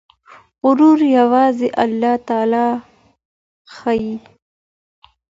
غرور يوازې الله ته ښايي.